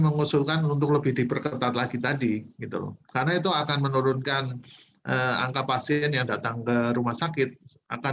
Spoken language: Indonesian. angka kematian yang indikator atau angka kesakitan